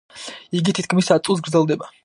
იგი თითქმის ათ წუთს გრძელდება.